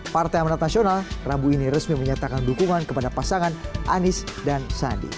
partai amanat nasional rabu ini resmi menyatakan dukungan kepada pasangan anies dan sandi